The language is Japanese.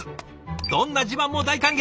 どんな自慢も大歓迎。